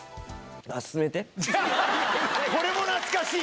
これも懐かしい。